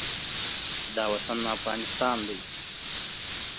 دا وطن افغانستان دی.